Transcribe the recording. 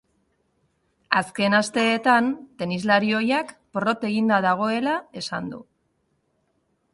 Azken asteetan, tenislari ohiak porrot eginda dagoela esan du.